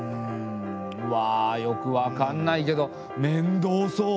うわよくわかんないけどめんどうそう。